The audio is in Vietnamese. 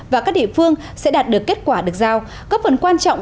và các địa phương sẽ đạt được kết quả được giao góp phần quan trọng